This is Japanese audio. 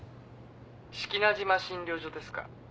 ☎志木那島診療所ですか？